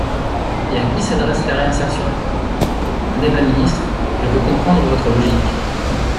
Et à qui s’adresse la réinsertion ? Madame la ministre, je peux comprendre votre logique.